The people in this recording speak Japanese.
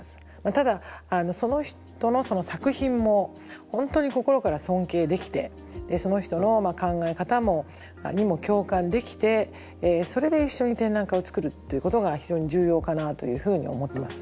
ただその人の作品も本当に心から尊敬できてその人の考え方にも共感できてそれで一緒に展覧会を作るっていうことが非常に重要かなというふうに思ってます。